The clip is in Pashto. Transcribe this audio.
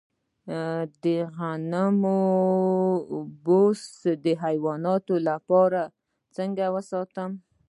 د غنمو بوس د حیواناتو لپاره څنګه ساتم؟